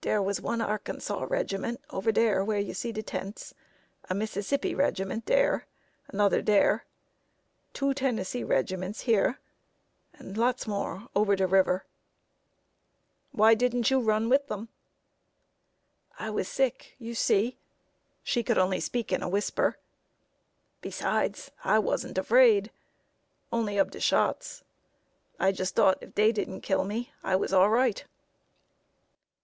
"Dere was one Arkansas regiment over dere where you see de tents, a Mississippi regiment dere, another dere, two Tennessee regiments here, and lots more over de river." "Why didn't you run with them?" "I was sick, you see" (she could only speak in a whisper); "besides, I wasn't afraid only ob de shots. I just thought if dey didn't kill me I was all right."